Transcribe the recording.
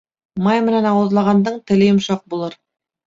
Май менән ауыҙланғандың теле йомшаҡ булыр.